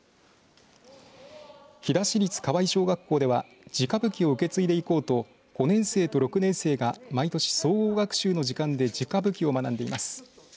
飛騨市立河合小学校では地歌舞伎を受け継いでいこうと５年生と６年生が毎年、総合学習の時間で地歌舞伎を学んでいます。